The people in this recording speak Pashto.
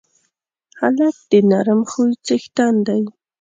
هلک د نرم خوی څښتن دی.